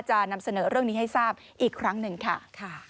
จะนำเสนอเรื่องนี้ให้ทราบอีกครั้งหนึ่งค่ะ